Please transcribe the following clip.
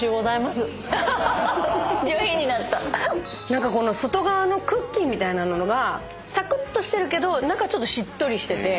何かこの外側のクッキーみたいなのがサクッとしてるけど中ちょっとしっとりしてて。